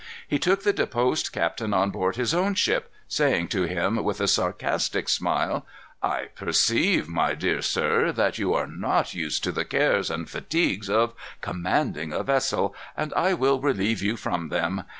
He took the deposed captain on board his own ship, saying to him with a sarcastic smile: "I perceive, my dear sir, that you are not used to the cares and fatigues of commanding a vessel, and I will relieve you from them.